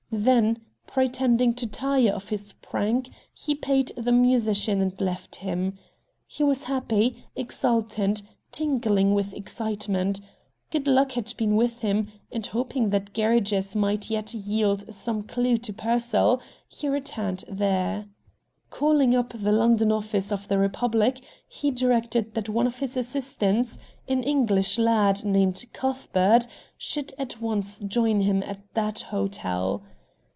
Then, pretending to tire of his prank, he paid the musician and left him. He was happy, exultant, tingling with excitement. Good luck had been with him, and, hoping that Gerridge's might yet yield some clew to Pearsall, he returned there. Calling up the London office of the REPUBLIC, he directed that one of his assistants, an English lad named Cuthbert, should at once join him at that hotel.